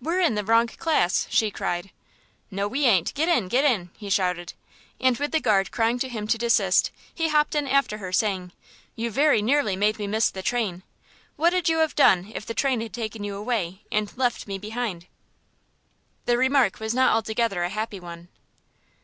"We're in the wrong class," she cried. "No, we ain't; get in, get in," he shouted. And with the guard crying to him to desist, he hopped in after her, saying, "You very nearly made me miss the train. What 'ud you've done if the train had taken you away and left me behind?" The remark was not altogether a happy one.